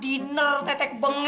dulu dapet komentu